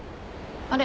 あれ？